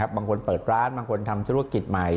บางคนเปิดร้านบางคนทำธุรกิจใหม่